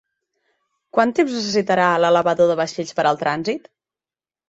Quant temps necessitarà l'elevador de vaixells per al trànsit?